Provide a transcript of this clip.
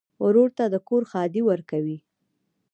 ورور ته د کور ښادي ورکوې.